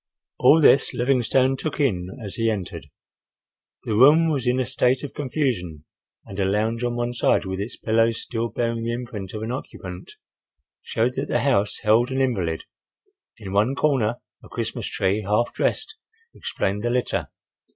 All this Livingstone took in as he entered. The room was in a state of confusion, and a lounge on one side, with its pillows still bearing the imprint of an occupant, showed that the house held an invalid. In one corner a Christmas tree, half dressed, explained the litter.